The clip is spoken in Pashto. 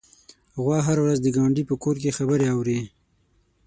غوا هره ورځ د ګاونډي په کور کې خبرې اوري.